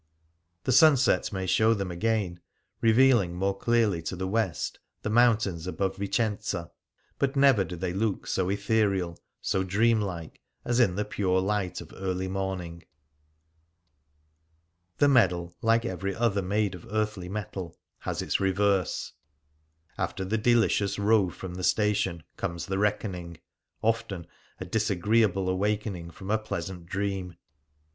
The sunset may show them again, revealing more clearly to the west the mountains above Vicenza; but never do they look so ethereal, so dream like, as in the pure light of early morning. The medal, like every other made of earthly metal, has its reverse. After the delicious row from the station comes the reckoning — often a disagreeable awakening from a pleasant dream.